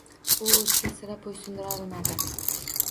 U oʻziga sira boʻysindirolmaydi.